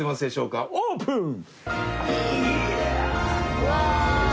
うわ！